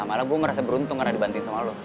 malah gue merasa beruntung karena dibantuin sama lo